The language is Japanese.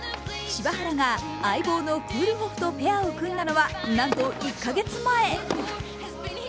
柴原が相棒のクールホフとペアを組んだのはなんと１カ月前。